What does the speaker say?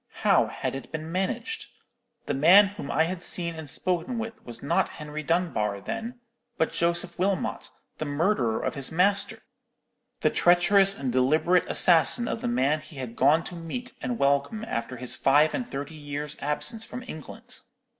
How had it been managed? The man whom I had seen and spoken with was not Henry Dunbar, then, but Joseph Wilmot, the murderer of his master—the treacherous and deliberate assassin of the man he had gone to meet and welcome after his five and thirty years' absence from England!